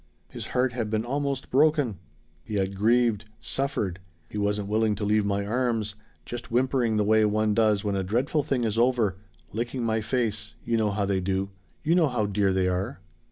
His heart had been almost broken he had grieved suffered. He wasn't willing to leave my arms; just whimpering the way one does when a dreadful thing is over licking my face you know how they do you know how dear they are.